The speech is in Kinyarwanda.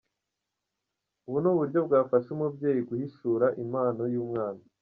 Ubu ni uburyo bwafasha umubyeyi guhishura impano y’umwana.